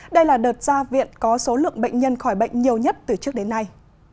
đây là đợt gia viện có số lượng bệnh nhân khỏi bệnh nhiều nhất từ trước đến nay